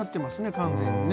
完全にね。